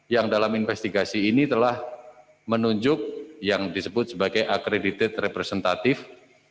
yang dalam investigasi ini telah menunjuk yang disebut sebagai acredited representative